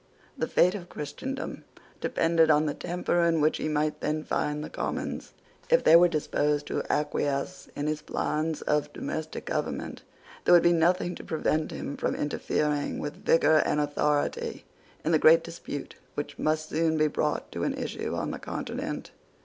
The fate of Christendom depended on the temper in which he might then find the Commons. If they were disposed to acquiesce in his plans of domestic government, there would be nothing to prevent him from interfering with vigour and authority in the great dispute which must soon be brought to an issue on the Continent.